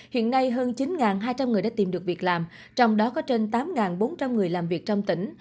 hiện nay hơn chín hai trăm linh người đã tìm được việc làm trong đó có trên tám bốn trăm linh người làm việc trong tỉnh